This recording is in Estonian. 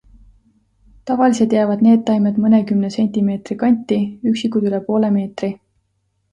Tavaliselt jäävad need taimed mõnekümne sentimeetri kanti, üksikud üle poole meetri.